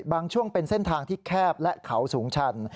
ช่วงเป็นเส้นทางที่แคบและเขาสูงชัน